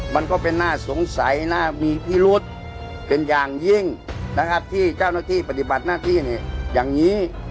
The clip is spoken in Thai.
มันก็เป็นน่าสงสัยน่ามีพิรุษเป็นอย่างยิ่งนะครับที่เจ้าหน้าที่ปฏิบัติหน้าที่เนี่ยอย่างนี้